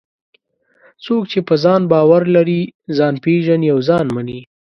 څوک چې په ځان باور لري، ځان پېژني او ځان مني.